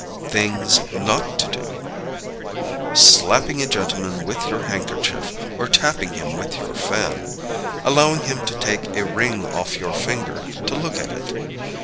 Things Not to Do. Slapping a gentleman with your handkerchief, or tapping him with your fan. Allowing him to take a ring off your finger, to look at it.